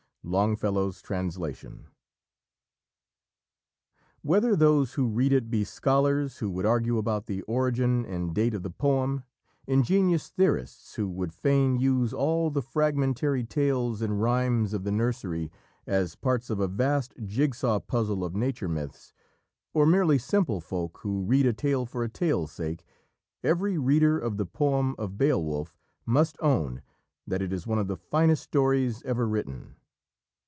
Longfellow's Translation. Whether those who read it be scholars who would argue about the origin and date of the poem, ingenious theorists who would fain use all the fragmentary tales and rhymes of the nursery as parts of a vast jig saw puzzle of nature myths, or merely simple folk who read a tale for a tale's sake, every reader of the poem of Beowulf must own that it is one of the finest stories ever written.